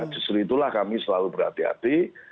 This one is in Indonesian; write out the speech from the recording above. justru itulah kami selalu berhati hati